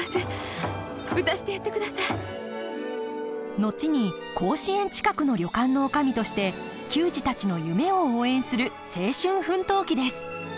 後に甲子園近くの旅館の女将として球児たちの夢を応援する青春奮闘記です。